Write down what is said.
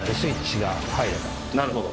なるほど。